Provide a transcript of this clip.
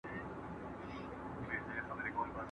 هره ورځ لکه لېندۍ پر ملا کږېږم